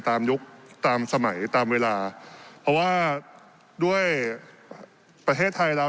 ยุคตามสมัยตามเวลาเพราะว่าด้วยประเทศไทยเรา